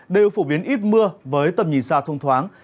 đều phổ biến ít mưa với tầm nhìn xa thông thoáng